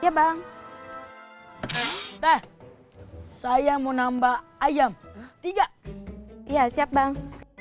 teh teh saya mau nambah ayam tiga ia siap bang